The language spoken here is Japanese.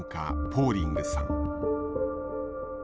ポーリングさん。